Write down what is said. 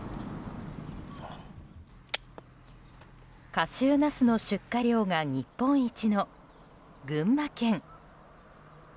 夏秋ナスの出荷量が日本一の群馬県。